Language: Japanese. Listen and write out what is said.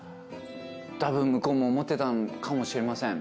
たぶん向こうも思ってたのかもしれません。